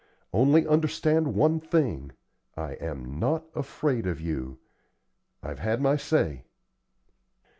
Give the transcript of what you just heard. Only understand one thing, I am not afraid of you. I've had my say."